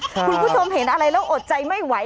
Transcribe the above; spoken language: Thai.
คุณผู้ชมเห็นอะไรแล้วอดใจไม่ไหว